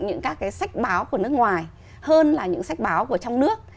những các cái sách báo của nước ngoài hơn là những sách báo của trong nước